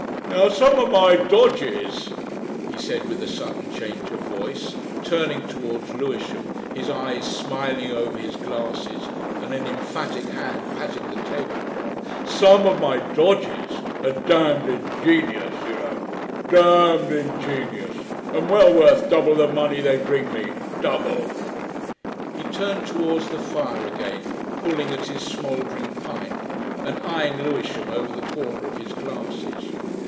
"Now, some of my dodges," he said with a sudden change of voice, turning towards Lewisham, his eyes smiling over his glasses and an emphatic hand patting the table cloth; "some of my dodges are damned ingenious, you know damned ingenious and well worth double the money they bring me double." He turned towards the fire again, pulling at his smouldering pipe, and eyeing Lewisham over the corner of his glasses.